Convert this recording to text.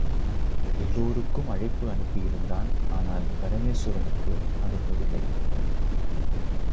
எல்லோருக்கும் அழைப்பு அனுப்பியிருந்தான் ஆனால் பரமேசுவரனுக்கு அனுப்பவில்லை.